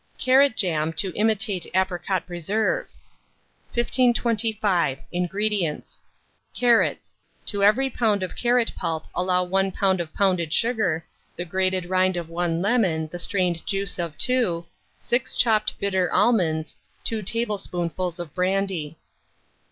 CARROT JAM TO IMITATE APRICOT PRESERVE. 1525. INGREDIENTS. Carrots; to every lb. of carrot pulp allow 1 lb. of pounded sugar, the grated rind of 1 lemon, the strained juice of 2, 6 chopped bitter almonds, 2 tablespoonfuls of brandy.